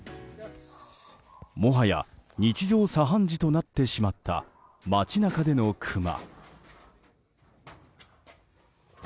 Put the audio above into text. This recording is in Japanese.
もはや日常茶飯事となってしまった街中でのクマ。